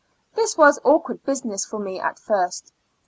This was awkward business for me at first.